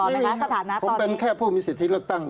ไม่มีครับสถานะตอนนี้ผมเป็นแค่ผู้มีสิทธิฤทธิ์เลือกตั้ง